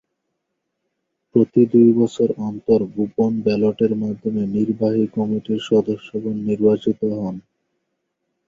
প্রতি দুই বছর অন্তর গোপন ব্যালটের মাধ্যমে নির্বাহী কমিটির সদস্যগণ নির্বাচিত হন।